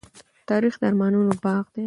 تاریخ د ارمانونو باغ دی.